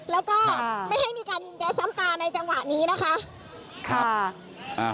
แล้วก็ค่ะไม่ให้มีการยิงแก๊สตั้มตาในจังหวะนี้นะคะค่ะอ่า